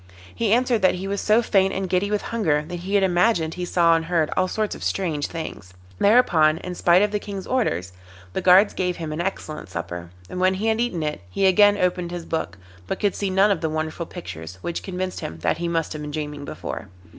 He answered that he was so faint and giddy with hunger that he had imagined he saw and heard all sorts of strange things. Thereupon, in spite of the King's orders, the guards gave him an excellent supper, and when he had eaten it he again opened his book, but could see none of the wonderful pictures, which convinced him that he must have been dreaming before.